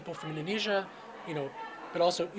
orang indonesia dan orang yang lahir di sini